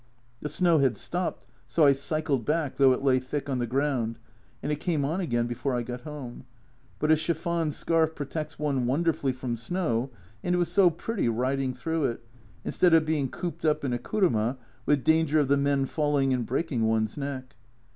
The snow had stopped, so I cycled back, though it lay thick on the ground, and it came on again before I got home, but a chiffon scarf protects one wonderfully from snow, and it was so pretty riding through it, instead of being cooped up in a kuruma y with danger of the men falling and breaking one's neck.